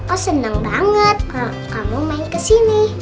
oh senang banget kamu main ke sini